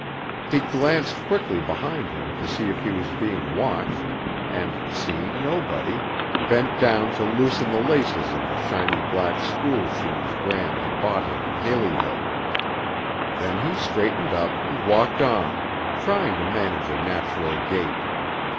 He glanced quickly behind him to see if he was being watched and, seeing nobody, bent down to loosen the laces of the shiny black school shoes Gram had bought him in Haleyville. Then he straightened up and walked on, trying to manage a natural gait.